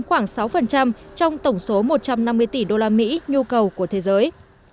khoảng sáu trong tổng số một trăm năm mươi tỷ đô la mỹ nhu cầu của thế giới